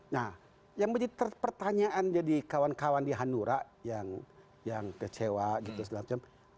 nah yang menjadi pertanyaan jadi kawan kawan di hanura yang kecewa gitu segala macam